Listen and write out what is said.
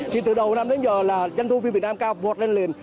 thì từ đầu năm đến giờ là danh thu phim việt nam cao vọt lên liền